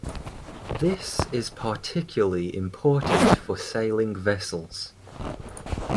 This is particularly important for sailing vessels.